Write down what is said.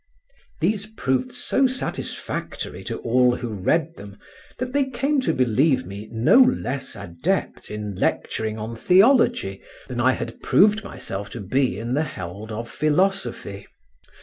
These proved so satisfactory to all who read them that they came to believe me no less adept in lecturing on theology than I had proved myself to be in the held of philosophy.